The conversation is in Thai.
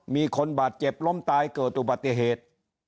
มีคนบาดเจ็บล้มตายเกิดอุบัติเหตุ